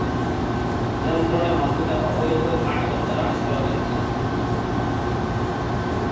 নিয়ন্ত্রণের মাধ্যমে অবৈধ কাঠ ব্যবসা হ্রাস করা হয়েছে।